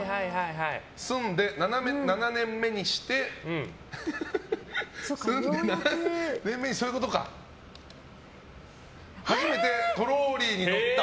住んで７年目にして初めてトローリーに乗った。